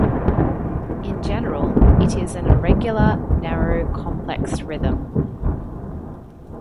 In general, it is an irregular, narrow complex rhythm.